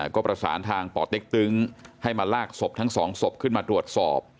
ก็ประสานทางป่อเต็กตึงให้มาลากศพทั้งสองศพขึ้นมาตรวจสอบ